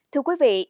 thưa quý vị